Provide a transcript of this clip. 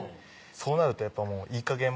そうなるとやっぱいいかげん